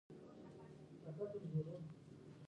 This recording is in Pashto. د ده مزنګ او کندهار د محبس خاطرات وې.